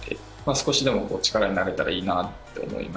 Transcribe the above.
少しでも力になれたらいいなって思いまして。